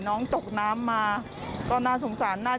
น้องตกน้ำมาตอนนั้นสงสารหน้า